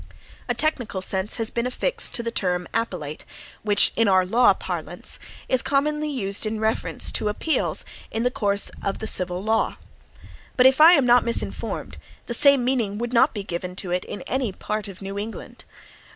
A technical sense has been affixed to the term "appellate," which, in our law parlance, is commonly used in reference to appeals in the course of the civil law. But if I am not misinformed, the same meaning would not be given to it in any part of New England.